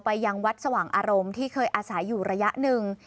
ยังวัดสว่างอารมณ์ที่เคยอาศัยอยู่ระยะหนึ่ง